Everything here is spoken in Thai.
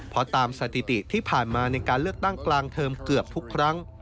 เพราะตามสถิติที่ผ่านมาในการเลือกตั้งกลางเทอมเกือบทุกครั้ง